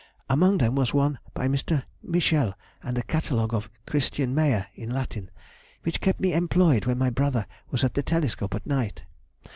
Among them was one by Mr. Michel and a catalogue of Christian Mayer in Latin, which kept me employed when my brother was at the telescope at night.